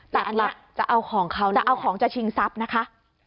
แต่อันนี้จะเอาของจะชิงทรัพย์นะคะ